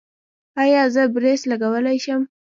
ایا زه برېس لګولی شم؟